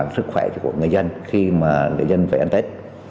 sức khỏe của người dân khi mà người dân về ăn tết